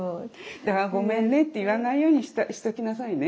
だから「ごめんね」って言わないようにしときなさいね。